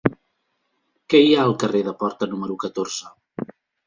Què hi ha al carrer de Porta número catorze?